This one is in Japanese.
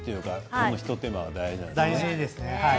この一手間が大事なんですね。